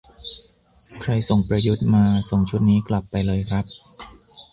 "ใครส่งประยุทธ์มา ส่งชุดนี้กลับไปเลยครับ"